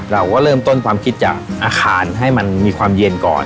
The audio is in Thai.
เราก็เริ่มต้นความคิดจากอาคารให้มันมีความเย็นก่อน